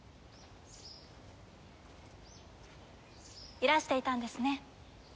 いらしていたんですね。